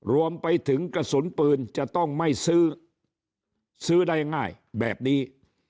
รวมไปถึงกระสุนปืนจะต้องไม่ซื้อซื้อได้ง่ายแบบนี้